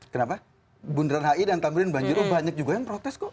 kenapa bundaran hi dan tamrin banjir banyak juga yang protes kok